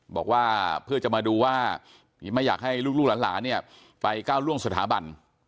บอกว่าเพื่อจะมาดูว่าไม่อยากให้ลูกหลานเนี่ยไปก้าวล่วงสถาบัน